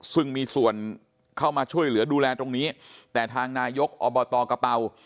ซึ่งมีส่วนเข้ามาช่วยเหลือดูแลตรงนี้แต่ทางนายกอบตกระเป๋า